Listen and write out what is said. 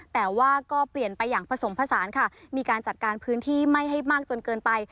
แต่ว่าก็เปลี่ยนไปอย่างผสมผสานค่ะมีการจัดการพื้นที่ไม่ให้มากจนเกินไป